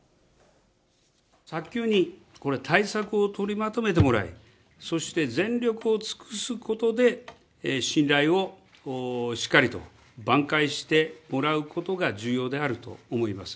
早急にこれ、対策を取りまとめてもらい、そして全力を尽くすことで、信頼をしっかりと挽回してもらうことが重要であると思います。